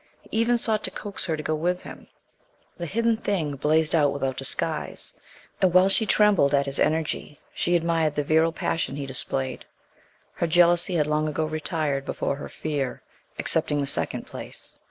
He even sought to coax her to go with him. The hidden thing blazed out without disguise. And, while she trembled at his energy, she admired the virile passion he displayed. Her jealousy had long ago retired before her fear, accepting the second place.